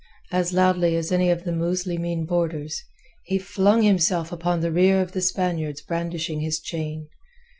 as loudly as any of the Muslimeen boarders, he flung himself upon the rear of the Spaniards brandishing his chain.